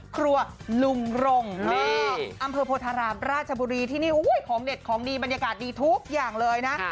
ครัวลุงรงนี่อำเภอโพธารามราชบุรีที่นี่ของเด็ดของดีบรรยากาศดีทุกอย่างเลยนะ